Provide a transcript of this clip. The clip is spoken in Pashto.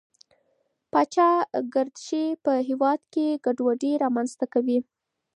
پاچا ګردشي په هېواد کې ګډوډي رامنځته کوي.